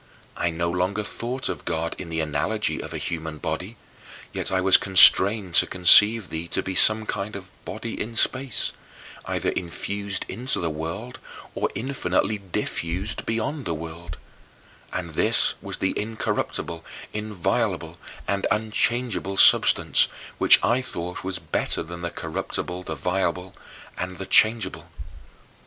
I no longer thought of God in the analogy of a human body, yet I was constrained to conceive thee to be some kind of body in space, either infused into the world, or infinitely diffused beyond the world and this was the incorruptible, inviolable, unchangeable substance, which I thought was better than the corruptible, the violable, and the changeable.